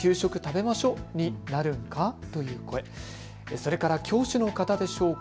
それから教師の方でしょうか。